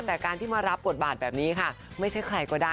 แต่การที่มารับกฏบาทแบบนี้ค่ะ